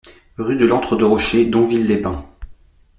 Rue de l'Entre Deux Rochers, Donville-les-Bains